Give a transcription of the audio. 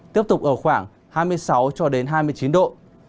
tiếp tục ở khoảng hai mươi sáu hai mươi chín độ